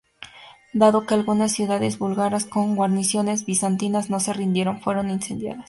Dado que algunas ciudades búlgaras con guarniciones bizantinas no se rindieron, fueron incendiadas.